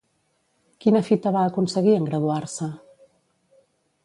Quina fita va aconseguir en graduar-se?